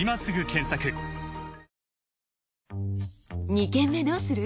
「二軒目どうする？」